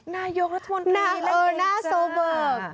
นายกรัฐมนตรีนอเวย์จ้ะเออน่าโซเบิก